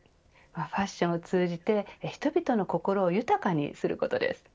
ファッションを通じて人々の心を豊かにすることです。